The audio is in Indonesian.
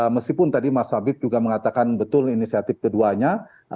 meskipun tadi mas habib juga mengatakan betul inisiatif keduanya